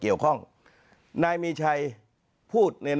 เกี่ยวข้องนายมีชัยพูด